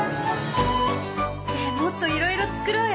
ねえもっといろいろ作ろうよ。